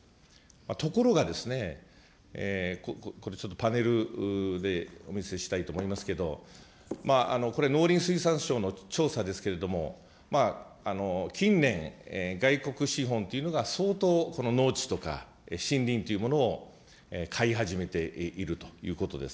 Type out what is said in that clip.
ところがですね、これ、ちょっとパネルでお見せしたいと思いますけど、これ、農林水産省の調査ですけれども、近年、外国資本というのが相当、この農地とか森林というものを買い始めているということです。